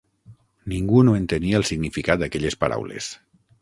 Ningú no entenia el significat d'aquelles paraules.